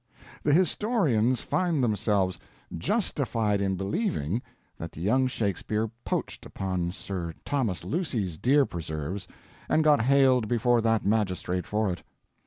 The historians find themselves "justified in believing" that the young Shakespeare poached upon Sir Thomas Lucy's deer preserves and got haled before that magistrate for it.